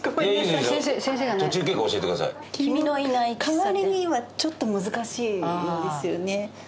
「かわりに」はちょっと難しいんですよね。